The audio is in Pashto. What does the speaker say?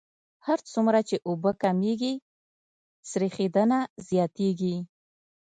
هر څومره چې اوبه کمیږي سریښېدنه زیاتیږي